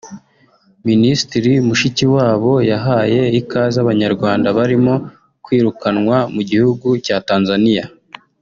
Ministiri Mushikiwabo yahaye ikaze Abanyarwanda barimo kwirukanwa mu gihugu cya Tanzania